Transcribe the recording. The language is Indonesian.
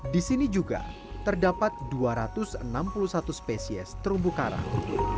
di sini juga terdapat dua ratus enam puluh satu spesies terumbu karang